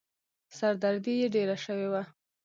سر دردي يې ډېره شوې وه.